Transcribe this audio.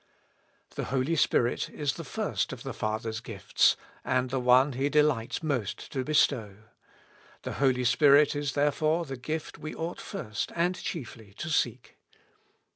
The Holy Spirit is the first of the Father's gifts, and the one He delights most to bestow. The Holy Spirit is therefore the gift we ought first and chiefly to seek.